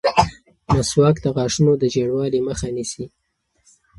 مسواک د غاښونو د ژېړوالي مخه نیسي.